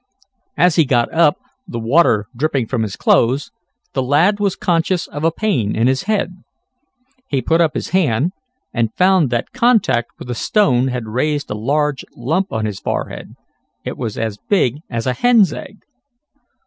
And, as he got up, the water dripping from his clothes, the lad was conscious of a pain in his head. He put up his hand, and found that contact with a stone had raised a large lump on his forehead. It was as big as a hen's egg.